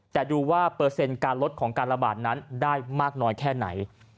แต่ดูว่าเปอร์เซ็นต์การลดของการระบาดนั้นได้มากน้อยแค่ไหน